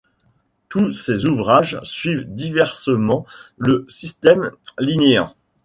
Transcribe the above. Tous ces ouvrages suivent diversement le système linnéen.